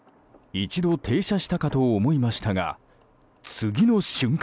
一度停車したかと思いましたが次の瞬間。